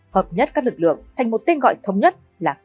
hợp nhất các lực lượng thành một tên gọi thống nhất là công an